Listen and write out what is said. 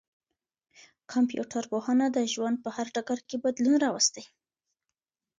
کمپيوټر پوهنه د ژوند په هر ډګر کي بدلون راوستی.